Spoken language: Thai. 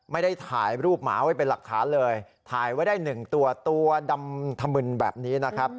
ไม่ได้ถ่ายรูปหมาไว้เป็นหลักฐานเลยถ่ายไว้ได้หนึ่งตัวตัวดำถมึนแบบนี้นะครับ